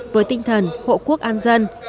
với tinh thần hộ quốc an dân